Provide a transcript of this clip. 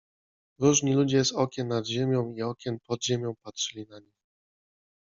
Różni ludzie z okien nad ziemią i z okien pod ziemią patrzyli na nich.